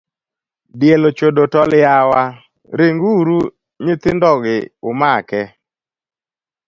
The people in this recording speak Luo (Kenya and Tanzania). Diel ochodo tol yawa, ringuru nyithindogi umake.